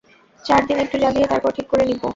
চার দিন একটু জ্বালিয়ে তারপর ঠিক করে নিব।